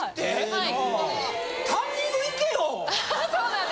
・はい。